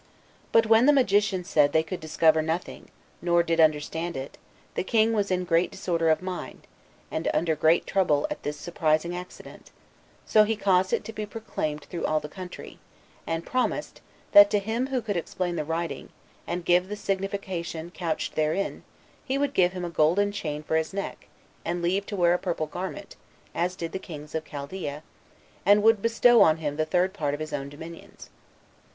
But when the magicians said they could discover nothing, nor did understand it, the king was in great disorder of mind, and under great trouble at this surprising accident; so he caused it to be proclaimed through all the country, and promised, that to him who could explain the writing, and give the signification couched therein, he would give him a golden chain for his neck, and leave to wear a purple garment, as did the kings of Chaldea, and would bestow on him the third part of his own dominions.